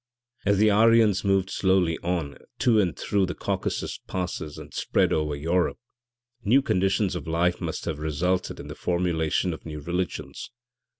As the Aryans moved slowly on, to and through the Caucasus passes, and spread over Europe, new conditions of life must have resulted in the formulation of new religions.